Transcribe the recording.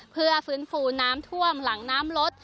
เพื่อฟื้นฟูน้ำท่วมหลังน้ำลด